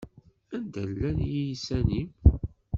Anda llan yiysan-im?